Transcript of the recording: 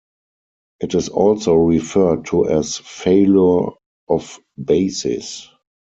It is also referred to as "failure of basis".